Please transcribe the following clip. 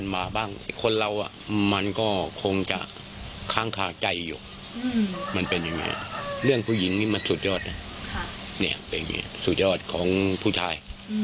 มันก็คงจะค้างคาใจอยู่เรื่องผู้หญิงนี้มันสุดยอดนะสุดยอดของผู้ชาย